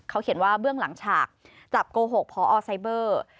เขาเขียนว่าเบื้องหลังฉากจับโกหกพอไซเบอร์